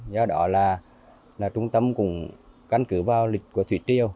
do đó là trung tâm cũng căn cứ vào lịch sử